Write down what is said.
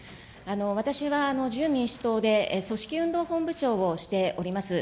私は自由民主党で組織運動本部長をしております。